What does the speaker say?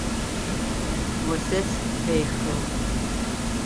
Осэпс къехыгъ.